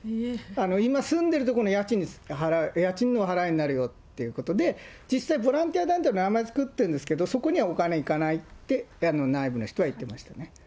今、住んでる所の家賃の払いになるよっていうことで、実際ボランティア団体の名前作ってるんですけど、そこにはお金いかないって、内部の人は言ってましたね。